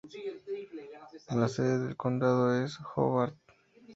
La sede del condado es Hobart.